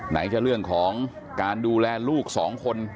ไหนจะเรื่องของการดูแลลูกสองคน